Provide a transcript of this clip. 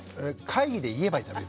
会議で言えばいいじゃん